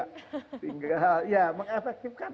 tinggal ya mengefektifkan